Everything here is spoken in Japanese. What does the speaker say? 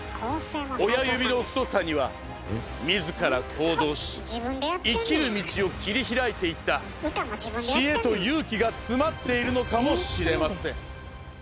親指の太さには自ら行動し生きる道を切り開いていった知恵と勇気が詰まっているのかもしれません。